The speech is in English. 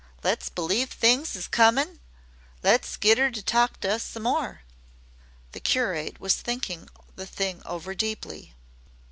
Le's believe things is comin'. Le's get 'er to talk to us some more." The curate was thinking the thing over deeply.